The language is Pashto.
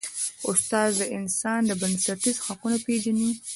استاد د انسان بنسټیز حقونه پېژني.